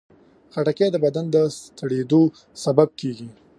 خټکی د بدن د سړېدو سبب کېږي.